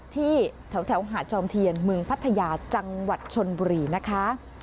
ที่แถวหาดจอมเทียนเมืองพัทยาจังหวัดชนบุรีนะคะ